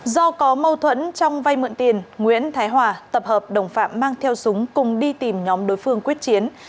do có mâu thuẫn trong vay mượn tiền nguyễn thái hòa tập hợp đồng phạm mang theo súng cùng đi tìm nhóm đối phương quyết chiến